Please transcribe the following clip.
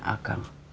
di tangan akang